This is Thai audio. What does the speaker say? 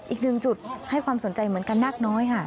อีกหนึ่งจุดให้ความสนใจเหมือนกันนักน้อยค่ะ